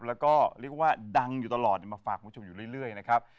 แล้วก็เรียกว่าดังอยู่ตลอดมาฝากคุณผู้ชมอยู่เรื่อยนะครับ